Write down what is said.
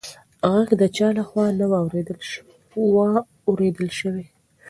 غږ د چا لخوا نه و اورېدل شوې.